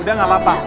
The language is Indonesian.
udah gak apa apa